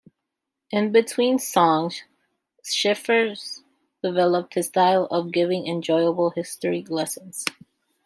In between songs Schifter developed his style of giving enjoyable history lessons.